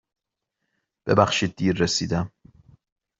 ببخشید دیر رسیدم.